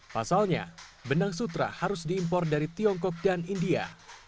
pasalnya benang sutra harus diimpor dari tiongkok dan india